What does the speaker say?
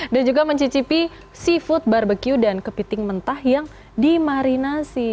dan juga mencicipi seafood barbecue dan kepiting mentah yang dimarinasi